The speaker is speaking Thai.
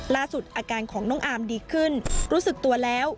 อาการของน้องอาร์มดีขึ้นรู้สึกตัวแล้ว